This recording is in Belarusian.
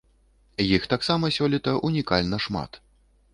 Іх таксама сёлета унікальна шмат.